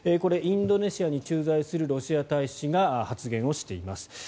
インドネシアに駐在するロシア大使が発言をしています。